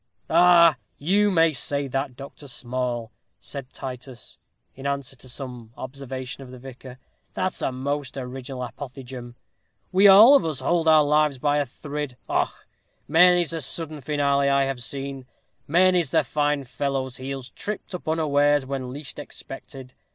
"Ah! you may say that, Dr. Small," said Titus, in answer to some observation of the vicar, "that's a most original apothegm. We all of us hould our lives by a thrid. Och! many's the sudden finale I have seen. Many's the fine fellow's heels tripped up unawares, when least expected.